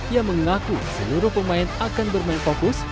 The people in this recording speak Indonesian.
yang mengaku seluruh pemain akan bermain fokus